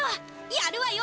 やるわよ！